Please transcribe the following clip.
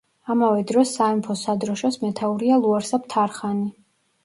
ამავე დროს სამეფო სადროშოს მეთაურია ლუარსაბ თარხანი.